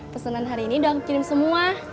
pesanan hari ini udah aku kirim semua